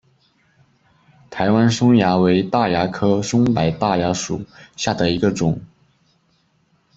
台湾松蚜为大蚜科松柏大蚜属下的一个种。